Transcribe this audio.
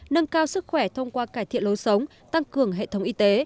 nâng cao sức khỏe thông qua cải thiện lối sống tăng cường hệ thống y tế